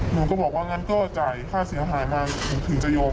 หนูก็บอกว่างั้นก็จ่ายค่าเสียหายมาถึงจะยอม